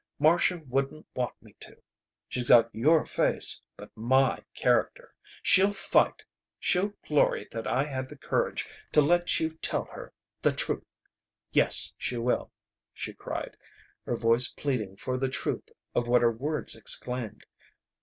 Marcia wouldn't want me to! She's got your face but my character! She'll fight! She'll glory that I had the courage to let you tell her the truth! Yes, she will," she cried, her voice pleading for the truth of what her words exclaimed.